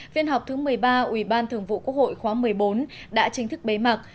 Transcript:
phiên họp thứ một mươi ba ủy ban thường vụ quốc hội khóa một mươi bốn đã chính thức bế mạc